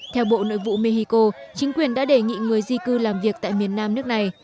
theo bộ nội vụ mexico chính quyền đã đề nghị người di cư làm việc tại miền nam nước này